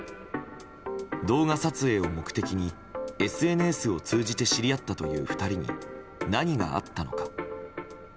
動画撮影を目的にＳＮＳを通じて知り合ったという２人に何があったのか。